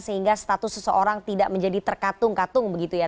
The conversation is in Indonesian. sehingga status seseorang tidak menjadi terkatung katung begitu ya